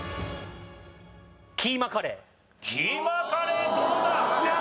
キーマカレーどうだ？